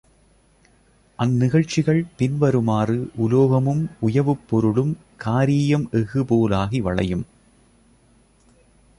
அந்நிகழ்ச்சிகள் பின்வருமாறு உலோகமும் உயவுப் பொருளும் காரீயம் எஃகு போலாகி வளையும்.